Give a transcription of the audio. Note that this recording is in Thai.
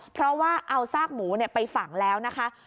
เพราะว่าเอาซากหมูไปฝังแล้วนะคะ